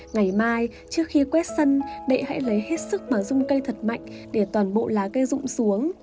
ngày mai trước khi quét sân đệ hãy lấy hết sức bằng dung cây thật mạnh để toàn bộ lá cây rụng xuống